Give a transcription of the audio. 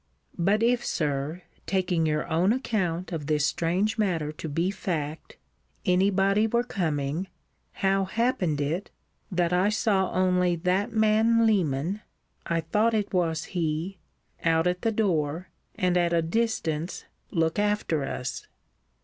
But if, Sir, taking your own account of this strange matter to be fact, any body were coming, how happened it, that I saw only that man Leman (I thought it was he) out at the door, and at a distance, look after us?